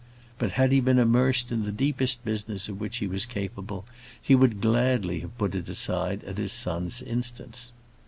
But had he been immersed in the deepest business of which he was capable, he would gladly have put it aside at his son's instance.